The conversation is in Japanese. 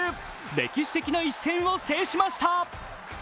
歴史的な一戦を制しました。